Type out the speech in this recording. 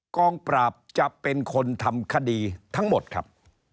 กองปราบจะเป็นคนทำคดีทั้งหมดครับ